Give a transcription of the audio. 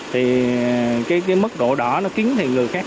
thì cái mức độ đỏ nó kiến thiện người khác